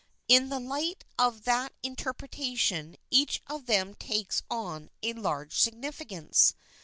In the light of that interpreta tion each of them takes on a large significance.